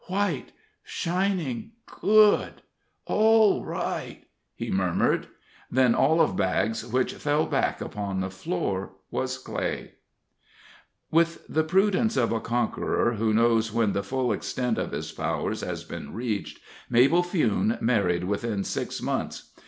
"White shining good all right," he murmured. Then all of Baggs which fell back upon the floor was clay. With the prudence of a conqueror, who knows when the full extent of his powers has been reached, Mabel Fewne married within six months.